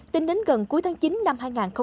tính đến gần cuối tháng chín năm hai nghìn một mươi năm